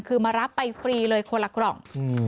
คือมารับไปฟรีเลยคนละกล่อง